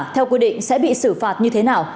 theo quy định sẽ bị xử phạt như thế nào